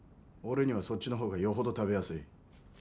俺にはそっちの方がよほど食べやすい。